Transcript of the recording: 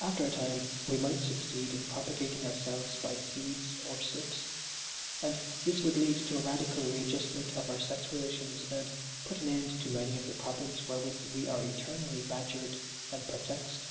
After a time we might succeed in propagating ourselves by seeds or slips, and this would lead to a radical readjustment of our sex relations and put an end to many of the problems wherewith we are eternally badgered and perplexed.